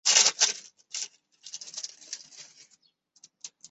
非洲三叉蝠属等之数种哺乳动物。